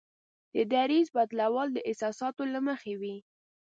د دریځ بدلول د احساساتو له مخې وي.